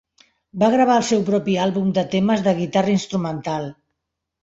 Va gravar el seu propi àlbum de temes de guitarra instrumental.